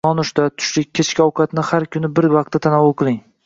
Nonushta, tushlik, kechki ovqatni har kuni bir vaqtda tanovul qiling.